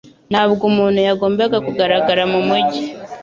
Ntabwo umuntu yagombaga kugaragara mumujyi.